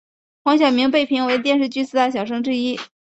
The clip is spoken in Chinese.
黄晓明被评为电视剧四大小生之一。